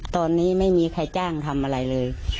ตอนนี้ไม่มีใครจ้างทำอะไรเลย